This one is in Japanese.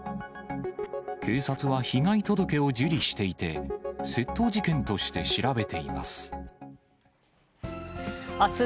警察は被害届を受理していて、窃盗事件として調べています。